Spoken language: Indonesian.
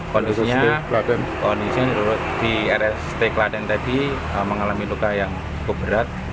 kondisinya kondisinya di rsst kelaten tadi mengalami luka yang berat